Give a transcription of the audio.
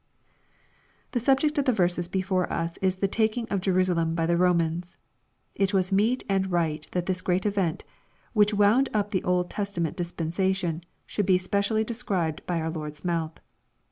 The subject of the verses before us is the taking of Je rusalem by the Eomans. It was meet and right that this great event, which wound up the Old Testament dispen sation, should be specially described by our Lord's mouth.